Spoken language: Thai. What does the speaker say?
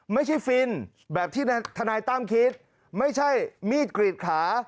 ฟินแบบที่ทนายตั้มคิดไม่ใช่มีดกรีดขา